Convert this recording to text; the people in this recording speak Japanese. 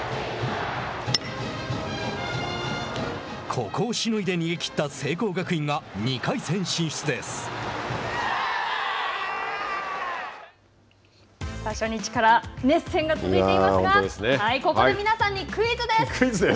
ここをしのいで逃げきった聖光学院が初日から、熱戦が続いていますがここで皆さんにクイズです。